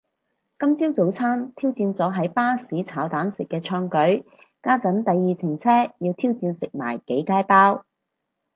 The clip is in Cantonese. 今朝早餐挑戰咗喺巴士炒蛋食嘅創舉，家陣第二程車要挑戰食埋幾楷包